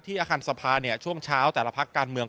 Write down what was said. อาคารสภาช่วงเช้าแต่ละพักการเมือง